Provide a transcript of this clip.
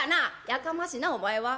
「やかましなお前は。